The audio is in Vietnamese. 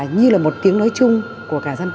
như là một tiếng nói chung của cả dân